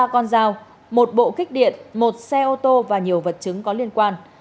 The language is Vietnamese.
ba con dao một bộ kích điện một xe ô tô và nhiều vật chứng có liên quan